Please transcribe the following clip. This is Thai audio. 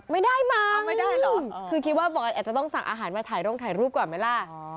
ไม่ได้มั้งคือคิดว่าบอกอาจจะต้องสั่งอาหารมาถ่ายร่วมถ่ายรูปกว่าไหมล่ะ